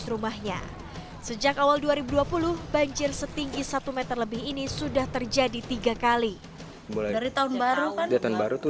rumahnya sejak awal dua ribu dua puluh banjir setinggi satu m lebih ini sudah terjadi tiga kali dari tahun baru kan lebih